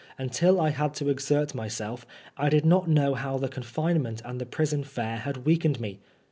Until I had to exert myself I did not know how the confinement and the prison fare had weakened me.